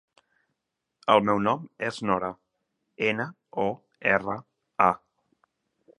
El meu nom és Nora: ena, o, erra, a.